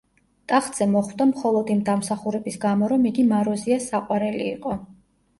ტახტზე მოხვდა მხოლოდ იმ დამსახურების გამო, რომ იგი მაროზიას საყვარელი იყო.